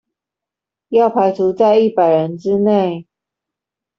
要排除在一百人之内